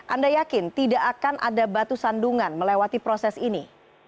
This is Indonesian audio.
anda yakin tidak akan ada batu sandungan melewati proses ini